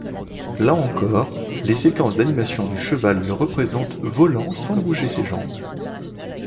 Là encore, les séquences d'animation du cheval le représentent volant sans bouger ses jambes.